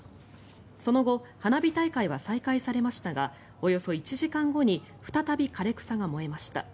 その後花火大会は再開されましたがおよそ１時間後に再び枯れ草が燃えました。